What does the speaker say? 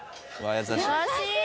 優しい！